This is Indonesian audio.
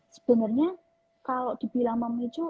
sebenarnya kalau dibilang memicu